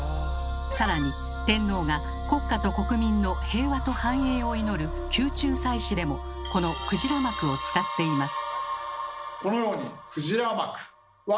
さらに天皇が国家と国民の平和と繁栄を祈る「宮中祭祀」でもこの鯨幕を使っています。